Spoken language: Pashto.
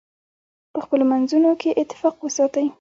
په خپلو منځونو کې اتفاق وساتئ.